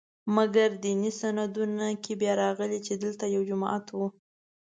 مګر دیني سندونو کې بیا راغلي چې دلته یو جومات و.